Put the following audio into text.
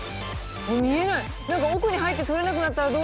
見えない！